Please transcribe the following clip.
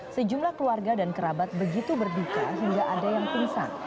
sejumlah keluarga dan kerabat begitu berduka hingga ada yang pingsan